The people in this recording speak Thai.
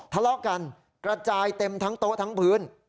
ทะเลาะกันกระจายเต็มทั้งโต๊ะทั้งพื้น